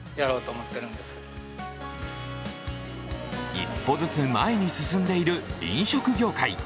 一歩ずつ前に進んでいる飲食業界。